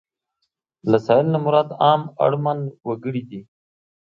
له سايل نه مراد عام اړمن وګړي دي.